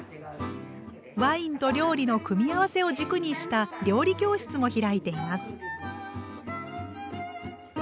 ワインと料理の組み合わせを軸にした料理教室も開いています。